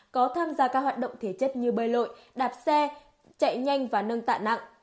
có tham gia các hoạt động thể chất như bơi lội đạp xe chạy nhanh và nâng tạ nặng